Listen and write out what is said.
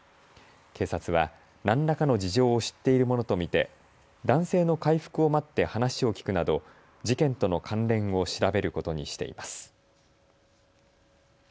警察は何らかの事情を知っているものと見て男性の回復を待って話を聞くなど事件との関連を調べることにしています。